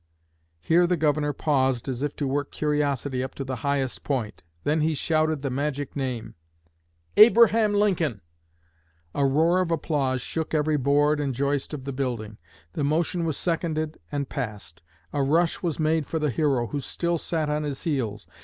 Here the Governor paused, as if to work curiosity up to the highest point; then he shouted the magic name, 'Abraham Lincoln!' A roar of applause shook every board and joist of the building. The motion was seconded and passed. A rush was made for the hero, who still sat on his heels.